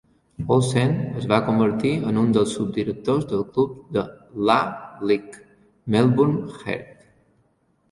Olsen es va convertir en un dels subdirectors del club de l'A-League, Melbourne Heart.